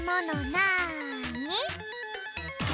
なに？